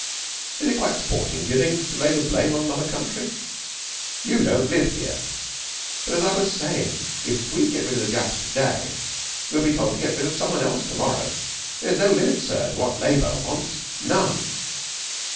Is it quite sporting, do you think, to lay the blame on another country?' 'You don't live here. But as I was saying if we get rid of the Japs to day, we'll be told to get rid of some one else to morrow. There's no limit, sir, to what Labour wants. None!'